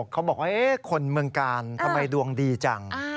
เขาบอกว่าคนเมืองกาลทำไมดวงดีจัง